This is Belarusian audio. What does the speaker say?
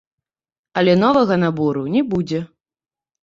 Але новага набору не будзе.